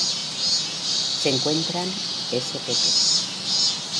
Se encuentran spp.